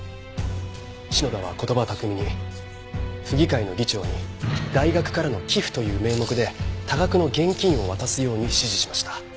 篠田は言葉巧みに府議会の議長に大学からの寄付という名目で多額の現金を渡すように指示しました。